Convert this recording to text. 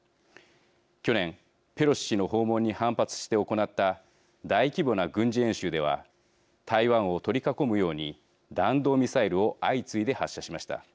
去年ペロシ氏の訪問に反発して行った大規模な軍事演習では台湾を取り囲むように弾道ミサイルを相次いで発射しました。